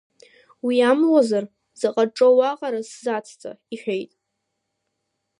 Уи амуазар, заҟа ҿоу аҟара сзацҵа, — иҳәеит.